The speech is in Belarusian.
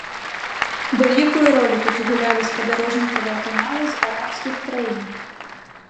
Вялікую ролю тут згулялі спадарожнікавыя каналы з арабскіх краін.